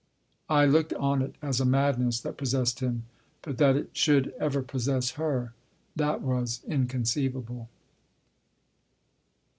I looked on it as a madness that possessed him. But that it should ever possess her that was incon ceivable.